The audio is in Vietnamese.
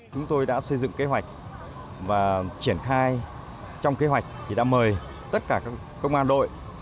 chúng tôi đã xây dựng kế hoạch và triển khai trong kế hoạch thì đã mời tất cả các công an đội